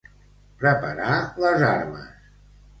Preparar les armes.